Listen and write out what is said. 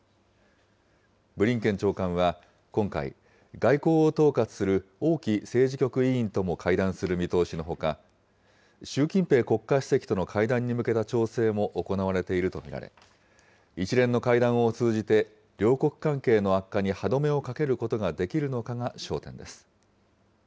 ブリンケン長官は今回、外交を統括する王毅政治局委員とも会談する見通しのほか、習近平国家主席との会談に向けた調整も行われていると見られ、一連の会談を通じて、両国関係の悪化に歯止めをかけることができるのかが焦点です。